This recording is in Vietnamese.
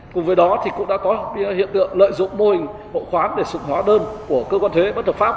cùng với đó cũng đã có hiện tượng lợi dụng mô hình hộ khoán để sử dụng hóa đơn của cơ quan thuế bất thực pháp